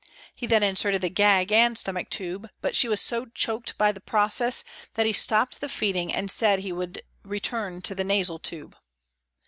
He then inserted the gag and stomach tube, but she was so choked by the process that he stopped the feeding, and said he would return to the nasal tube.